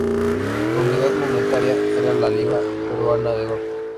La unidad monetaria era la Libra peruana de Oro.